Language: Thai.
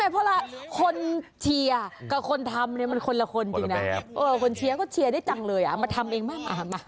พี่มอดมาแล้วจ้านะ